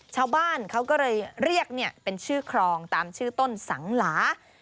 ชาวบ้านเขาก็เลยเรียกเป็นชื่อครองตามชื่อต้นสังหลา